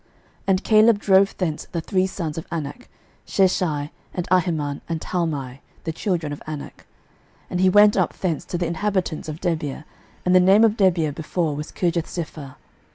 06:015:014 And Caleb drove thence the three sons of Anak, Sheshai, and Ahiman, and Talmai, the children of Anak. 06:015:015 And he went up thence to the inhabitants of Debir: and the name of Debir before was Kirjathsepher.